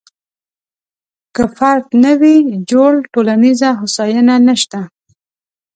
که فرد نه وي جوړ، ټولنیزه هوساینه نشته.